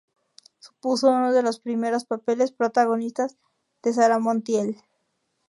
Supuso uno de los primeros papeles protagonistas de Sara Montiel.